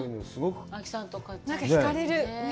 何か引かれる。